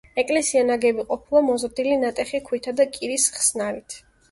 ეკლესია ნაგები ყოფილა მოზრდილი ნატეხი ქვითა და კირის ხსნარით.